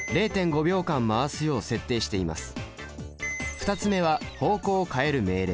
２つ目は方向を変える命令。